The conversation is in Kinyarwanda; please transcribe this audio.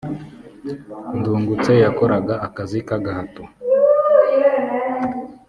ndungutse yakoraga akazi k’agahato